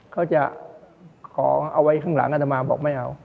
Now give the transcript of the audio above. เขาจะขอเอาไว้ข้างหลังอัตมาบอกไม่เอา